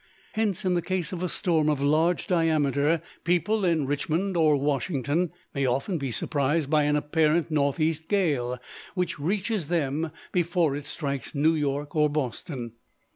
Hence, in the case of a storm of large diameter, people in Richmond or Washington may often be surprised by an apparent northeast gale, which reaches them before it strikes New York or Boston.